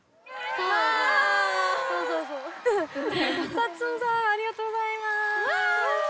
さっちょんさんありがとうございます。